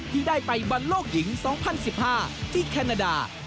ที่ได้ไปบอลโลกหญิง๒๐๑๕ที่แคนาดา